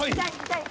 痛い！